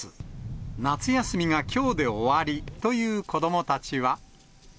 夏休みがきょうで終わりという子どもたちは。